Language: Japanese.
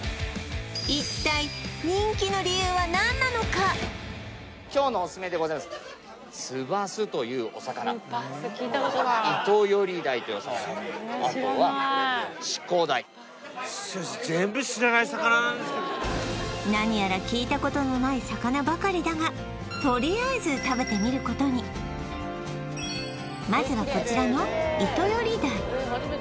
一体人気の理由は何なのかというお魚何やら聞いたことのない魚ばかりだがとりあえず食べてみることにまずはこちらのイトヨリ鯛